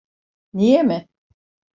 Niye mi?